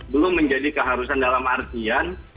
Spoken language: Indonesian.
belum menjadi keharusan dalam artian